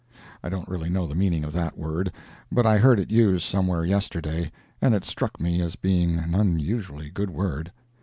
(I don't really know the meaning of that word, but I heard it used somewhere yesterday, and it struck me as being an unusually good word.